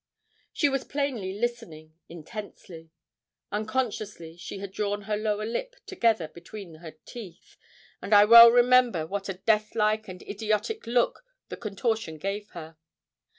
She was plainly listening intensely. Unconsciously she had drawn her lower lip altogether between her teeth, and I well remember what a deathlike and idiotic look the contortion gave her.